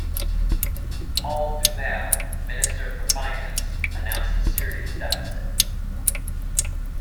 Paul Doumer, minister for finance, announced a serious deficit.